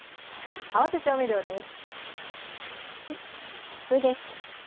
合わせ調味料です。